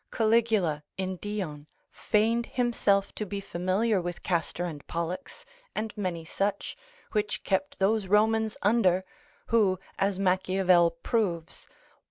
Caligula in Dion feigned himself to be familiar with Castor and Pollux, and many such, which kept those Romans under (who, as Machiavel proves, lib.